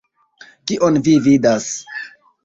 Kion vi vidas?